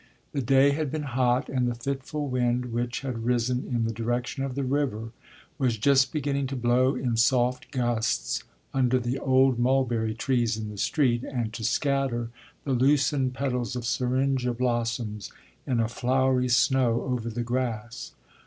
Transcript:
The day had been hot, and the fitful wind, which had risen in the direction of the river, was just beginning to blow in soft gusts under the old mulberry trees in the street, and to scatter the loosened petals of syringa blossoms in a flowery snow over the grass.